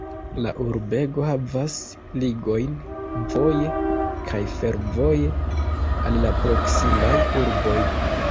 La urbego havas ligojn voje kaj fervoje al la proksimaj urboj.